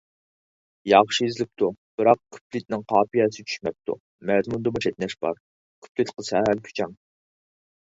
ياخشى يېزىلىپتۇ، بىراق كۇپلېتىنىڭ قاپىيەسى چۈشمەپتۇ. مەزمۇندىمۇ چەتنەش بار، كۇپلېتقا سەل كۈچەڭ.